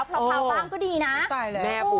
พระเภาบ้างก็ดีนะ